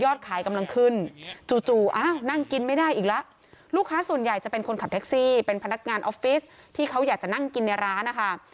ขายกำลังขึ้นจู่จู่อ้าวนั่งกินไม่ได้อีกแล้วลูกค้าส่วนใหญ่จะเป็นคนขับแท็กซี่เป็นพนักงานออฟฟิศที่เขาอยากจะนั่งกินในร้านนะคะ